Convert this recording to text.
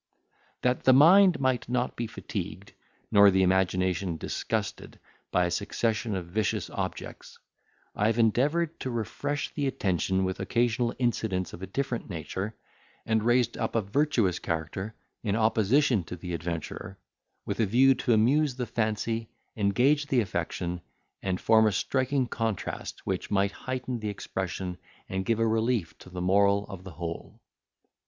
That the mind might not be fatigued, nor the imagination disgusted, by a succession of vicious objects, I have endeavoured to refresh the attention with occasional incidents of a different nature; and raised up a virtuous character, in opposition to the adventurer, with a view to amuse the fancy, engage the affection, and form a striking contrast which might heighten the expression, and give a relief to the moral of the whole.